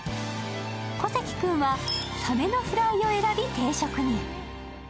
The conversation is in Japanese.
小関君はさめのフライを選び、定食に。